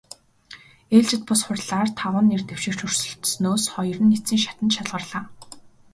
Ээлжит бус хурлаар таван нэр дэвшигч өрсөлдсөнөөс хоёр нь эцсийн шатанд шалгарлаа.